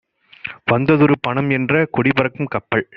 வந்ததொரு பணம்என்ற கொடிபறக்கும் கப்பல்;